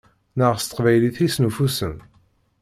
Neɣ s teqbaylit i snuffusen?